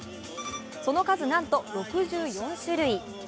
その数なんと６４種類。